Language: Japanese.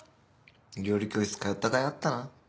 料理教室通ったかいあったな。